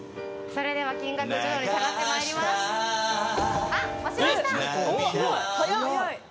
それでは金額徐々に下がってまいります